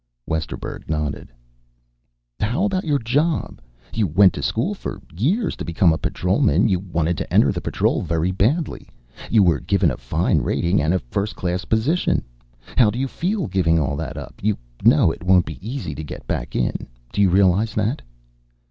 Westerburg nodded. "How about your job? You went to school for years to become a Patrolman. You wanted to enter the Patrol very badly. You were given a fine rating and a first class position. How do you feel, giving all that up? You know, it won't be easy to get back in again. Do you realize that?"